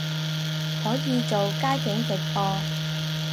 可以做街景直播